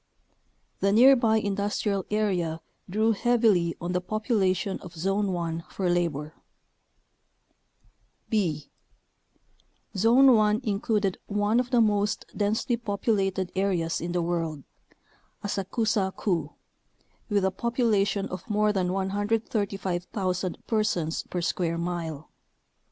The near by industrial area drew heavily on the population of Zone 1 for labor. b. Zone 1 included one of the most densely populated areas in the world — Asakusa Ku with a population of more than 135,000 persons per square mile.